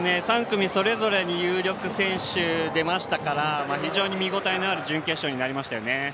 ３組それぞれに有力選手出ましたから非常に見応えのある準決勝になりましたよね。